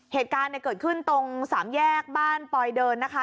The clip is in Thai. เหตุการณ์เนี่ยเกิดขึ้นตรงสามแยกบ้านปลอยเดินนะคะ